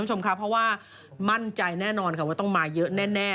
เพราะว่ามั่นใจแน่นอนว่าต้องมาเยอะแน่นะคะ